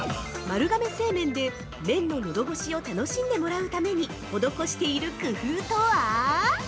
◆丸亀製麺で麺ののどごしを楽しんでもらうために施している工夫とは？